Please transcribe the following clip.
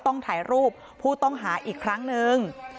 ต้องถ่ายรูปผู้ต้องหาอีกครั้งนึง